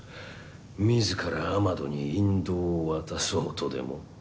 自らアマドに引導を渡そうとでも？